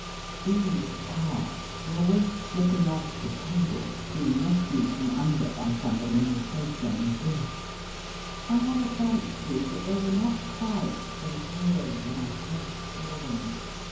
These tarts were always sHpping off the table, being rescued from under by somebody and replaced on the dish. I have a fancy that they were not quite so pale when I first saw them.